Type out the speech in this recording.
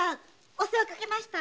お世話をかけました。